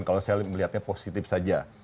kalau saya melihatnya positif saja